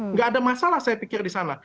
nggak ada masalah saya pikir di sana